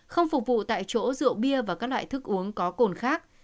không phục vụ tại chỗ rượu bia và các loại thức uống có cồn khác